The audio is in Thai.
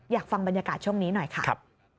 อยากฟังบรรยากาศช่วงนี้หน่อยค่ะ